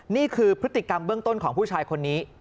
นี่คือพฤติกรรมเบื้องต้นของผู้ชายคนนี้